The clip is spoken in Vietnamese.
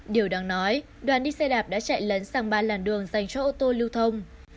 điều đáng nói đoàn đi xe đạp đã chạy lấn sang ba làn đường dành cho ô tô lưu thông